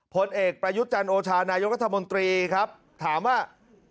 ผลเอกประยุทธ์จันโอชานายกรัฐมนตรีครับถามว่า